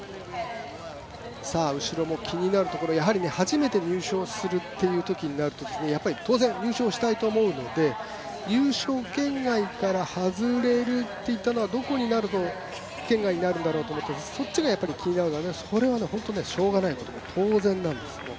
後ろも気になるところ、初めて入賞するというときになると当然、入賞したいと思うので入賞圏外から外れるとなるとどこになると圏外になるんだろうと思ってそっちが気になるのですが、これはしょうがない、当然のことなんです。